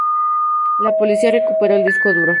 La policía recuperó el disco duro.